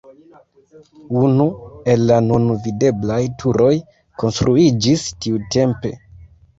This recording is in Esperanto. Unu el la nun videblaj turoj konstruiĝis tiutempe.